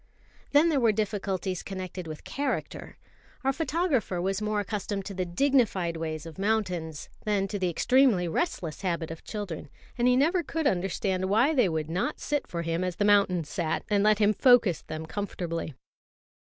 Then there were difficulties connected with character. Our photographer was more accustomed to the dignified ways of mountains than to the extremely restless habit of children; and he never could understand why they would not sit for him as the mountains sat, and let him focus them comfortably.